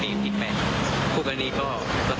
ปีนมีคิดไป